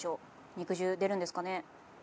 肉汁出るんですかね？